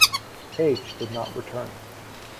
Page did not return.